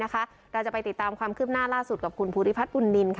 ก่อนจะไปติดตามความคลึมหน้าล่าสุดกับคุณภูริภัทอุ่นนิน